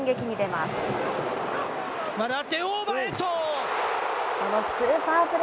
まだあって、オーバーヘッド。